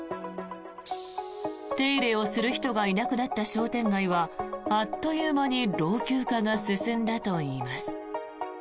手入れをする人がいなくなった商店街はあっという間に老朽化が進んだといいます。